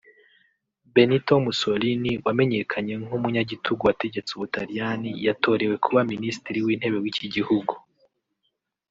Benito Mussolini wamenyekanye nk’umunyagitugu wategetse u Butaliyani yatorewe kuba minisitiri w’intebe w’iki gihugu